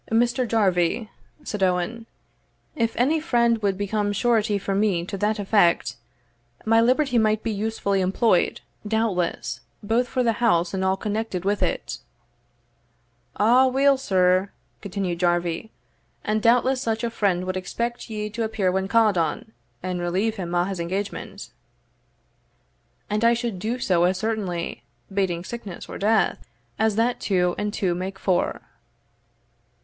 "Mr. Jarvie," said Owen, "if any friend would become surety for me to that effect, my liberty might be usefully employed, doubtless, both for the house and all connected with it." "Aweel, sir," continued Jarvie, "and doubtless such a friend wad expect ye to appear when ca'd on, and relieve him o' his engagement." "And I should do so as certainly, bating sickness or death, as that two and two make four."